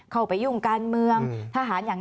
ทำไมรัฐต้องเอาเงินภาษีประชาชน